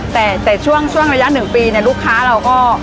แต่แต่ช่วงช่วงระยะหนึ่งปีเนี่ยลูกค้าเราก็